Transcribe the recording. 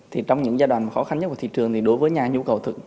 thì trong những giai đoạn khó khăn nhất của thị trường thì đối với nhà nhu cầu thực